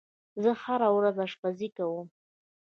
زه هره ورځ آشپزی کوم.